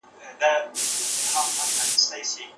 د ملکیت حق یو طبیعي ضرورت دی.